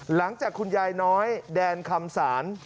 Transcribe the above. หลังจากคุณยายน้อยแดนคำสาร